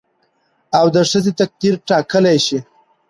او د ښځې تقدير ټاکلى شي